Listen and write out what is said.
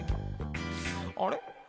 あれ？